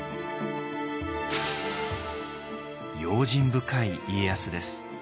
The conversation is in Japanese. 用心深い家康です。